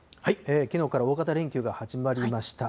きのうから大型連休が始まりました。